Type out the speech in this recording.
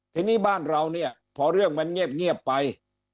ทีนี้บ้านเราเนี่ยพอเรื่องมันเงียบไป